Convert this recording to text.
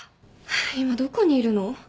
今どこにいるの？